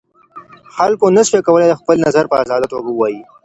خلګو نسوای کولای خپل نظر په ازاده توګه ووایي.